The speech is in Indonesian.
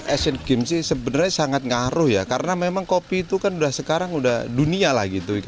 asian games sih sebenarnya sangat ngaruh ya karena memang kopi itu kan udah sekarang udah dunia lah gitu